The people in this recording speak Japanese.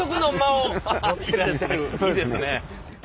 いいですね。